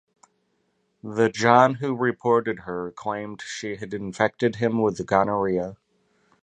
The john who reported her claimed she had infected him with gonorrhea.